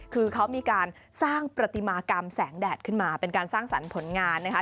คือเขามีการสร้างประติมากรรมแสงแดดขึ้นมาเป็นการสร้างสรรค์ผลงานนะคะ